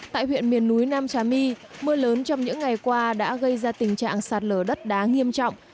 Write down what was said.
tại huyện miền núi nam trà my mưa lớn trong những ngày qua đã gây ra tình trạng sạt lở đất đá nghiêm trọng